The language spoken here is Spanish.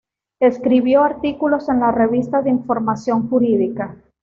Escribió artículos en la "Revista de Información Jurídica".